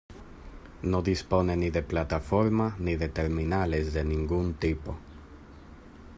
No dispone ni de plataforma ni de terminales de ningún tipo.